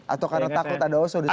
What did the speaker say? atau karena takut ada oso disini